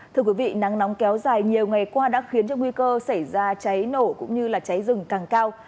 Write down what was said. thưa quý vị nắng nóng kéo dài nhiều ngày qua đã khiến cho nguy cơ xảy ra cháy nổ cũng như cháy rừng càng cao